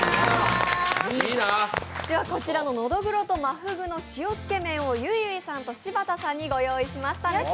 ではこちらのノドグロと真フグの塩つけ麺をゆいゆいさんと柴田さんにご用意しました。